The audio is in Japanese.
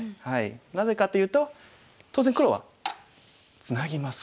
なぜかというと当然黒はツナぎます。